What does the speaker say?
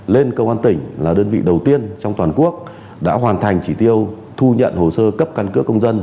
lên công an tỉnh là đơn vị đầu tiên trong toàn quốc đã hoàn thành chỉ tiêu thu nhận hồ sơ cấp căn cước công dân